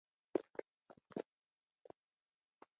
اندرې په جګړه کې سخت ټپي شو او بیا مړ شو.